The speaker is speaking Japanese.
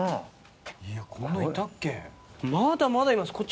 まだまだいます。